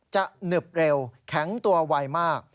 หนึบเร็วแข็งตัวไวมาก